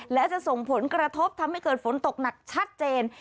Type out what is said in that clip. และจะส่งผลกระทบทำให้เกิดฝนตกหนักชัดเจน